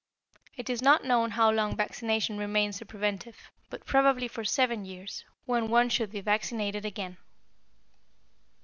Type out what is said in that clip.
It is not known how long vaccination remains a preventive, but probably for seven years, when one should be vaccinated again.